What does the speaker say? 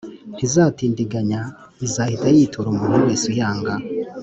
Ntizatindiganya, izahita yitura umuntu wese uyanga.